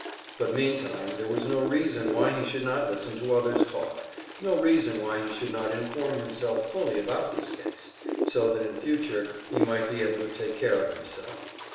But meantime there was no reason why he should not listen to others talk; no reason why he should not inform himself fully about this case, so that in future he might be able to take care of himself.